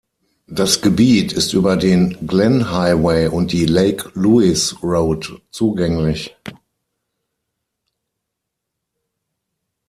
Das Gebiet ist über den Glenn Highway und die Lake Louise Road zugänglich.